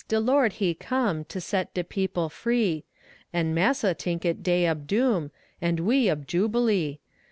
De Lord he come To set de people free; An' massa tink it day ob doom, An' we ob jubilee.